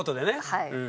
はい。